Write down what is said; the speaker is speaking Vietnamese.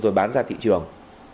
rồi bán ra thị trường